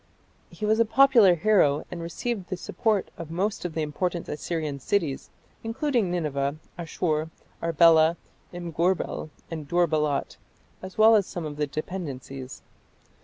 He was a popular hero and received the support of most of the important Assyrian cities, including Nineveh, Asshur, Arbela, Imgurbel, and Dur balat, as well as some of the dependencies.